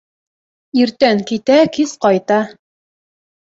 Иртән китә, кис ҡайта...